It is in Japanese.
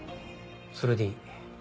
それでいい。